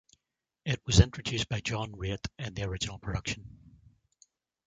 It was introduced by John Raitt in the original production.